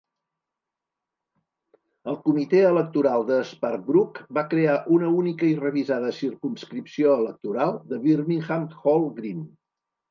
El comitè electoral de Sparkbrook va crear una única i revisada circumscripció electoral de Birmingham Hall Green.